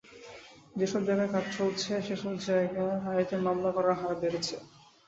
যেসব জায়গায় কাজ চলছে, সেসব জায়গায় নারীদের মামলা করার হার বেড়েছে।